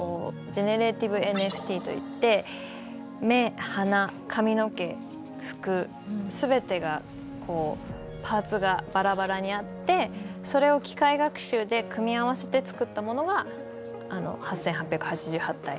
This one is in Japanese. ジェネレーティブＮＦＴといって目鼻髪の毛服全てがパーツがバラバラにあってそれを機械学習で組み合わせて作ったものがあの８，８８８体。